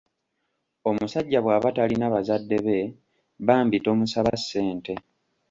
Omusajja bwaba talina bazadde be bambi tomusaba ssente.